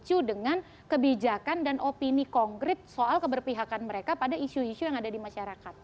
jadi harus dipicu dengan kebijakan dan opini konkret soal keberpihakan mereka pada isu isu yang ada di masyarakat